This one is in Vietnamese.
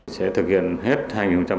sẽ thực hiện hết hai nghìn một mươi tám